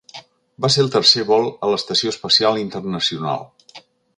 Va ser el tercer vol a l'Estació Espacial Internacional.